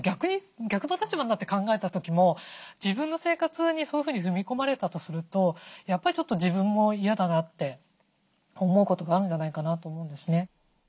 逆の立場になって考えた時も自分の生活にそういうふうに踏み込まれたとするとやっぱり自分も嫌だなって思うことがあるんじゃないかなと思うんですね。